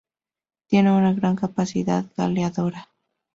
Tiene una gran capacidad goleadora.